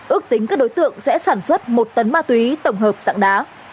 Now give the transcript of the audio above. ước tính các đối tượng sẽ sản xuất một tấn ma túy tổng hợp dạng đá